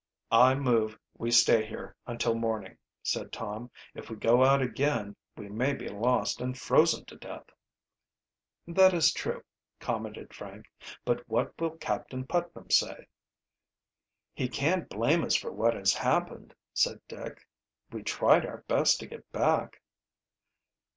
"I move we stay here until morning," said Tom. "If we go out again we may be lost and frozen to death." "That is true," commented Frank. "But what will Captain Putnam say?" "He can't blame us for what has happened," said Dick. "We tried our best to get back."